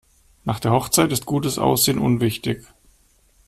Nach der Hochzeit ist gutes Aussehen unwichtig.